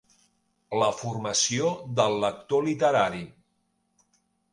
La formació del lector literari.